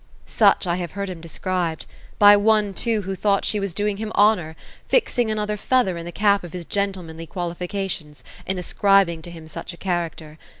''Such I have beard him described; by one too, who thought she was doing him honour — ^fixing another feather in the cap of his gentlemanly qualifications — in ascribing to him such a character.